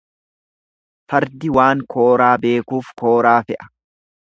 Fardi waan kooraa beekuuf kooraa fe'an.